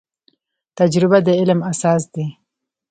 تجربه د علم اساس دی